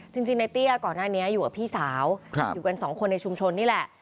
จริงในเตี้ยก่อนหน้านี้อยู่กับพี่สาวอยู่กันสองคนในชุมชนนี่แหละ